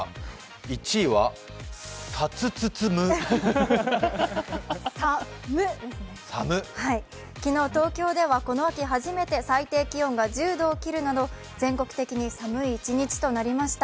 １位は「さっっっっむ」。昨日東京ではこの秋初めて最低気温が１０度を切るなど全国的に寒い一日となりました。